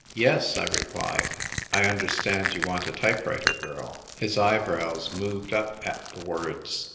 "Yes," I replied ;" I understand you want a ty>3 writer girl." His eyebrows moved up at the words.